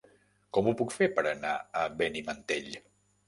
Com ho puc fer per anar a Benimantell?